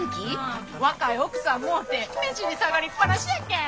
若い奥さんもうて目尻下がりっ放しやけん。